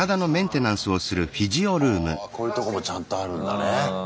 はあこういうとこもちゃんとあるんだね。